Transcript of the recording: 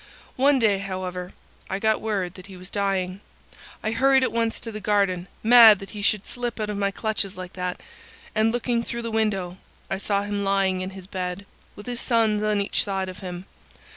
"One day, however, I got word that he was dying. I hurried at once to the garden, mad that he should slip out of my clutches like that, and, looking through the window, I saw him lying in his bed, with his sons on each side of him.